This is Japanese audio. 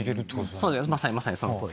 そうですまさにその通り。